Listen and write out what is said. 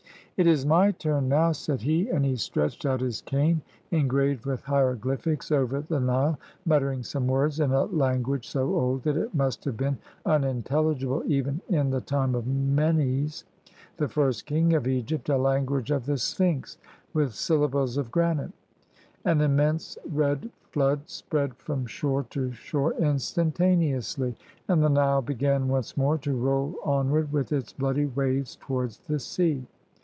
"It is my turn now," said he. And he stretched out 146 LET MY PEOPLE GO his cane, engraved with hieroglyphics, over the Nile, muttering some words in a language so old that it must have been unintelligible even in the time of Menes, the first king of Egypt; a language of the sphinx, with sylla bles of granite. An immense red flood spread from shore to shore instantaneously, and the Nile began once more to roll onward with its bloody waves towards the sea.